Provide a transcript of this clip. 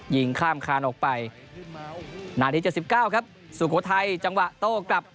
ยิงข้ามคานออกไปนาที๗๙ครับสุโขทัยจังหวะโต้กลับ